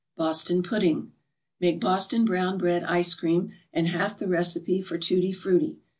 BOSTON PUDDING Make Boston Brown Bread Ice Cream and half the recipe for Tutti Frutti.